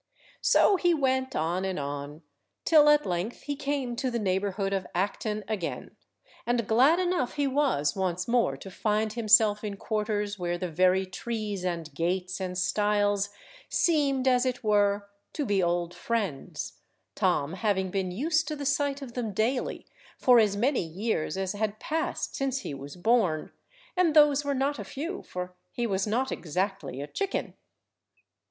So he went on and on, till at length he came to the neighbourhood of Acton again; and glad enough he was once more to find himself in quarters where the very trees and gates and stiles seemed, as it were, to be old friends—Tom having been used to the sight of them daily for as many years as had passed since he was born, and those were not a few, for he was not exactly a chicken.